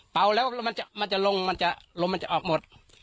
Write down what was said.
เป่าแล้วมันจะลงมันจะออกหมด